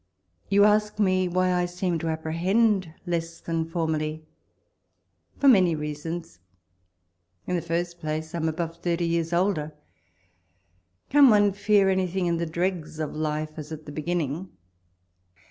You ask me why I seem to apprehend less than formerly? For many reasons. In the first place, I am above thirty years older. Can one fear anything in the dregs of life as at the beginning?